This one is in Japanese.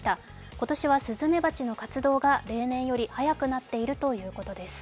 今年はスズメバチの活動が例年より早くなっているということです。